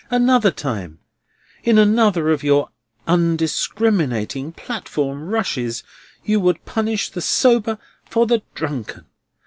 Another time, in another of your undiscriminating platform rushes, you would punish the sober for the drunken.